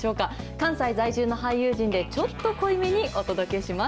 関西在住の俳優陣で、ちょっと濃いめにお届けします。